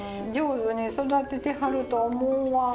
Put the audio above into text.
上手に育ててはると思うわ。